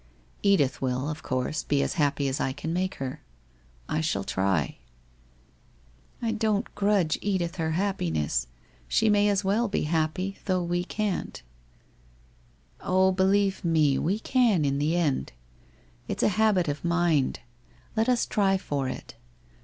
Edith will, of course, be as happy as I can make her. I shall try/ ' I don't grudge Edith her happiness. She may as well be happy, though we can't/ ' Oh, believe me, we can, in the end. It's a habit of mind. Let us try for it.